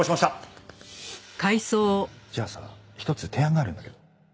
あっじゃあさ一つ提案があるんだけど。